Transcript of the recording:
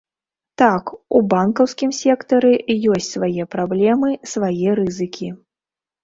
Так, у банкаўскім сектары ёсць свае праблемы, свае рызыкі.